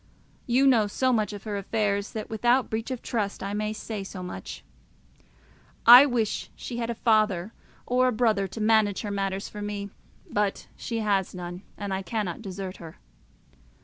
You know so much of her affairs that, without breach of trust, I may say so much. I wish she had a father or a brother to manage her matters for her; but she has none, and I cannot desert her.